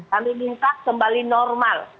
kami minta kembali normal